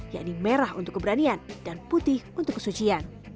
yakni merah untuk keberanian dan putih untuk kesucian